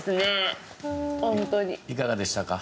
いかがでしたか？